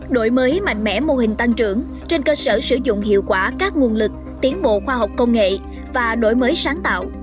đổi mới mạnh mẽ mô hình tăng trưởng trên cơ sở sử dụng hiệu quả các nguồn lực tiến bộ khoa học công nghệ và đổi mới sáng tạo